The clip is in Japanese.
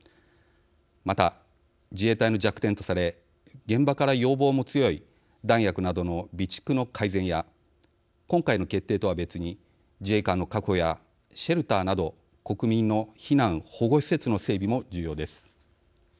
また、自衛隊の弱点とされ現場から要望も強い弾薬などの備蓄の改善や今回の決定とは別に自衛官の確保やシェルターなど国民の避難、保護施設の整備も重要です。